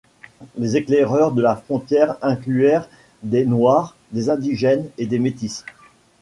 Les éclaireurs de la Frontière incluèrent des noirs, des indigènes et des métisses.